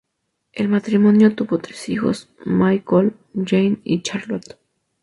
El matrimonio tuvo tres hijos: Michael, Jane y Charlotte.